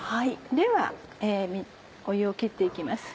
では湯を切って行きます。